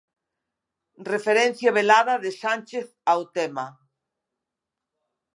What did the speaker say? Referencia velada de Sánchez ao tema.